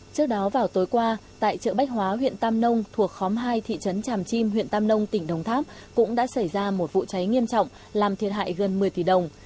trước đó vào tối qua tại chợ bách hóa huyện tam nông thuộc khóm hai thị trấn tràm chim huyện tam nông tỉnh đồng tháp cũng đã xảy ra một vụ cháy nghiêm trọng làm thiệt hại gần một mươi tỷ đồng